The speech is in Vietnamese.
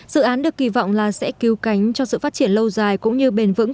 dự án được kỳ vọng sẽ cứu cánh cho sự phát triển lâu dài cũng như bền vững của các dự án